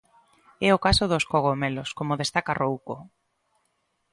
É o caso dos cogomelos, como destaca Rouco.